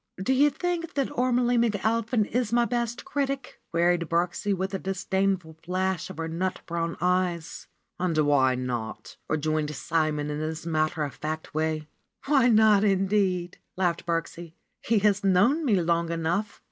^^So you think that Ormelie McAlpin is my best critic?" queried Birksie with a disdainful flash of her nut brown eyes. ^^And why not ?" rejoined Simon in his matter of fact way. ''Why not, indeed !" laughed Birksie. "He has known me long enough."